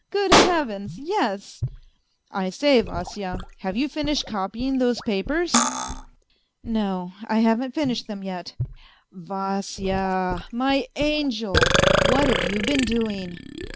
Good Heavens, yes !"" I say, Vasya, have you finished copying those papers ?..."" No. ... I haven't finished them yet." " Vas ... ya ! My angel ! What have you been doing